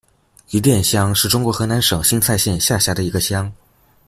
余店乡是中国河南省新蔡县下辖的一个乡。